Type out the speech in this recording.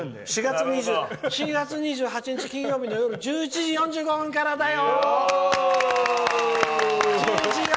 ４月２８日、金曜日夜１１時４５分からだよ！